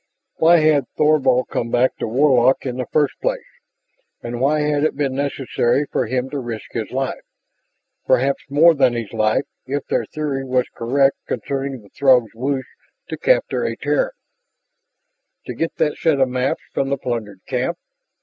Why had Thorvald come back to Warlock in the first place? And why had it been necessary for him to risk his life perhaps more than his life if their theory was correct concerning the Throgs' wish to capture a Terran to get that set of maps from the plundered camp?